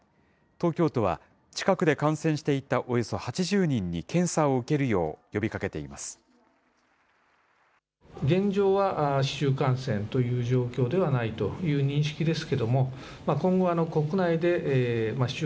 東京都は近くで観戦していたおよそ８０人に検査を受けるよう呼びかけています。